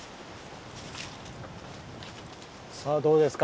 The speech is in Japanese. さあどうですか？